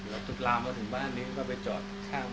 และจะได้ยินหลายบาลแต่เขาไม่เห็น